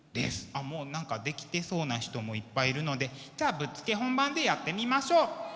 あっもう何かできてそうな人もいっぱいいるのでじゃあぶっつけ本番でやってみましょう。